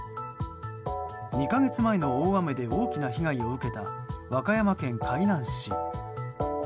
２か月前の大雨で大きな被害を受けた和歌山県海南市。